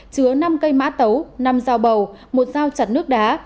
chứa năm cây mã tấu năm dao bầu một dao chặt nước đá